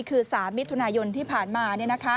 คือ๓มิถุนายนที่ผ่านมา